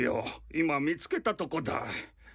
今見つけたとこだ。